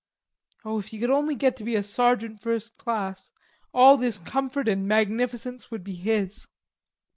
Oh, if he could only get to be a sergeant first class, all this comfort and magnificence would be his.